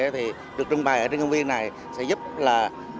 thì được trưng bày ở trên công viên này sẽ giúp là